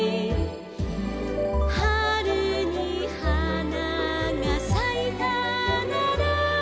「はるにはながさいたなら」